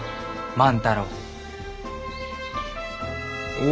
万太郎。